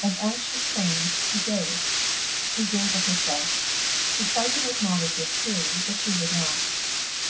And as she claimed he gave. He gave of his best. He tried to make Molly give too, but she would not.